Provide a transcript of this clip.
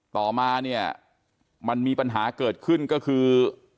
ต่อมาเนี่ยมันมีปัญหาเกิดขึ้นก็คือ